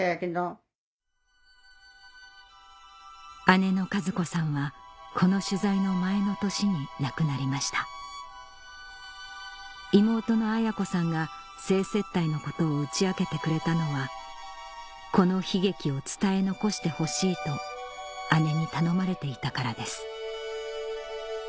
姉の和子さんはこの取材の前の年に亡くなりました妹の綾子さんが性接待のことを打ち明けてくれたのはこの悲劇を伝え残してほしいと姉に頼まれていたからです